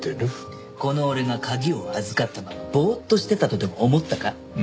この俺が鍵を預かったままボーッとしてたとでも思ったか？